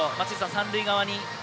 ３塁側に。